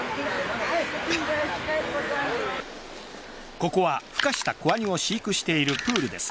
ここは孵化した子ワニを飼育しているプールです。